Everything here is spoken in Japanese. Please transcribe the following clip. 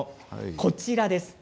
こちらです。